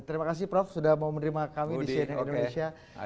terima kasih prof sudah mau menerima kami di cnn indonesia